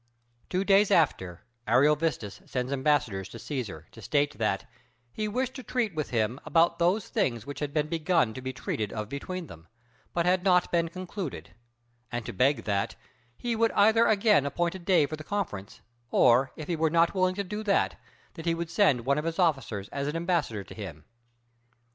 Two days after, Ariovistus sends ambassadors to Cæsar to state that "he wished to treat with him about those things which had been begun to be treated of between them, but had not been concluded"; and to beg that "he would either again appoint a day for a conference, or if he were not willing to do that, that he would send one of his officers as an ambassador to him."